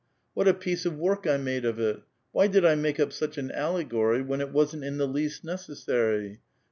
What a piece of work I made of, it! Why did 1 make up such an allegory when it wasn't in the least necessary